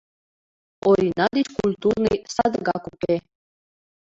Орина деч культурный садыгак уке.